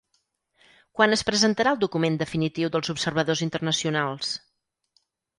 Quan es presentarà el document definitiu dels observadors internacionals?